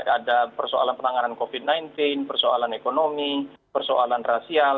ada persoalan penanganan covid sembilan belas persoalan ekonomi persoalan rasial